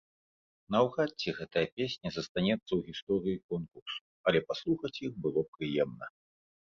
Наўрад ці гэтая песня застанецца ў гісторыі конкурсу, але паслухаць іх было прыемна.